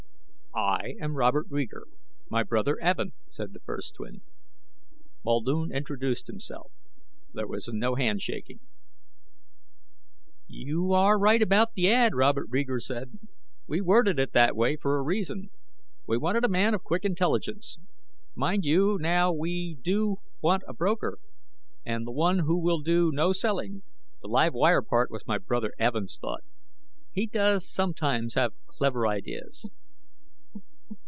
"I am Robert Reeger, my brother Evin," said the first twin. Muldoon introduced himself. There was no handshaking. "You are right about the ad," Robert Reeger said. "We worded it that way for a reason. We wanted a man of quick intelligence. Mind you, now, we do want a broker, and one who will do no selling. The 'live wire' part was my brother Evin's thought. He does sometimes have clever ideas."